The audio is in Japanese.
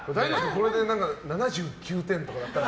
これで７９点とかだったら。